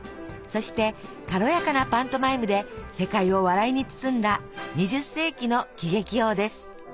そして軽やかなパントマイムで世界を笑いに包んだ２０世紀の喜劇王です。